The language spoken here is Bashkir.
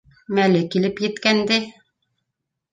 Мәле килеп еткәнде